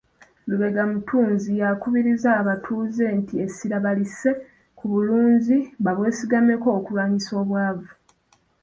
Lubega Mutunzi yakubirizza abatuuze nti essira balisse ku bulunzi babwesigameko okulwanyisa obwavu.